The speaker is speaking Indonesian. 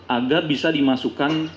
agar bisa dimasukkan